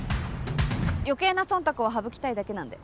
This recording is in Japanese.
余計なそんたくを省きたいだけなんで。